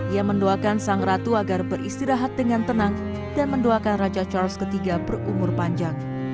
ia mendoakan sang ratu agar beristirahat dengan tenang dan mendoakan raja charles iii berumur panjang